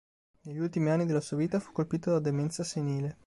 Negli ultimi anni della sua vita fu colpito da demenza senile.